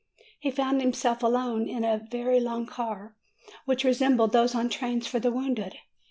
He found himself alone in a very long car, which resembled those on trains for the wounded.